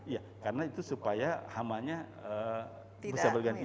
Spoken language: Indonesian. iya karena itu supaya hamanya bisa berganti